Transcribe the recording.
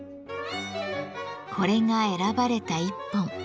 これが選ばれた一本。